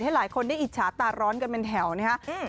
หลายคนได้อิจฉาตาร้อนกันเป็นแถวนะครับ